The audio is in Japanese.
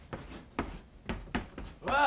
おい！